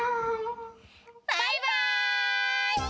バイバイ！